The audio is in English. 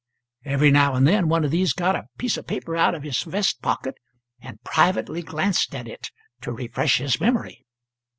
Every now and then one of these got a piece of paper out of his vest pocket and privately glanced at it to refresh his memory.